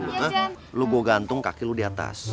lo gue gantung kaki lu di atas